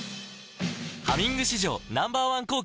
「ハミング」史上Ｎｏ．１抗菌